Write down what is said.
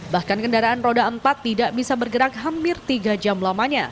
bahkan kendaraan roda empat tidak bisa bergerak hampir tiga jam lamanya